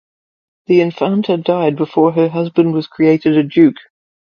The infanta died before her husband was created a duke.